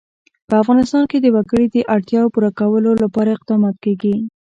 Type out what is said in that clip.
په افغانستان کې د وګړي د اړتیاوو پوره کولو لپاره اقدامات کېږي.